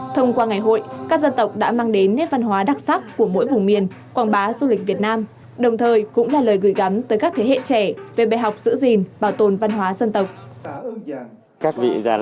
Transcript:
thông qua ngày hội các dân tộc đã mang đến nét văn hóa đặc sắc của mỗi vùng miền quảng bá du lịch việt nam đồng thời cũng là lời gửi gắm tới các thế hệ trẻ về bài học giữ gìn bảo tồn văn hóa dân tộc